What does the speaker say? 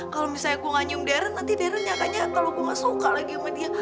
kalo misalnya aku nganyum darren nanti darren nyakanya kalo aku gak suka lagi sama dia